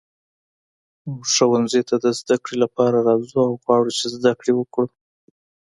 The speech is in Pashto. موږ ښوونځي ته د زده کړې لپاره راځو او غواړو چې زده کړې وکړو.